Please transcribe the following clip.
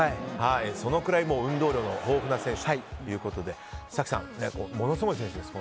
そのくらい運動量が豊富な選手ということで早紀さん、ものすごい選手です